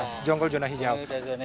ya jonggol jona hijau